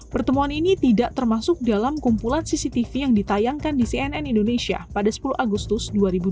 pertemuan ini tidak termasuk dalam kumpulan cctv yang ditayangkan di cnn indonesia pada sepuluh agustus dua ribu dua puluh